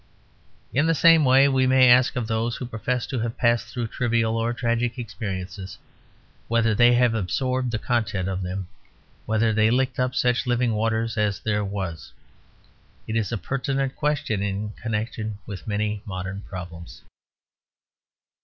In the same way we may ask of those who profess to have passed through trivial or tragic experiences whether they have absorbed the content of them; whether they licked up such living water as there was. It is a pertinent question in connection with many modern problems.